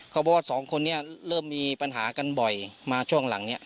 เขาบอกว่าสองคนนี้เริ่มมีปัญหากันบ่อยมาช่วงหลังนี้